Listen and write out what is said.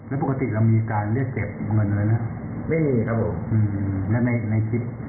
ถ้าเป็นพวกกันพวกเป็นเพื่อนกันและกันเนี่ย